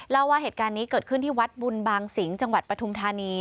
เล่าว่าเหตุการณ์นี้เกิดขึ้นที่วัดบุญบางสิงห์จังหวัดปฐุมธานี